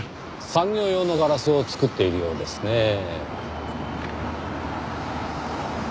産業用のガラスを作っているようですねぇ。